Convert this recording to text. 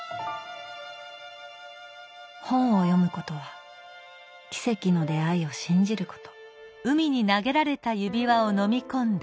本を読むことは奇跡の出会いを信じること。